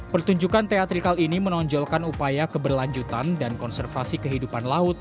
pertunjukan teatrikal ini menonjolkan upaya keberlanjutan dan konservasi kehidupan laut